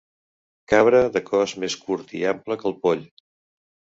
Cabra de cos més curt i ample que el poll.